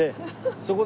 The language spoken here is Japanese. そこで。